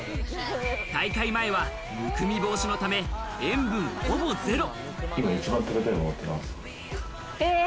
大会前はむくみ防止のため塩分ほぼゼロ。